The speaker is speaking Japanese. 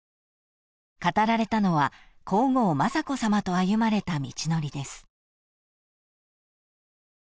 ［語られたのは皇后雅子さまと歩まれた道のりです］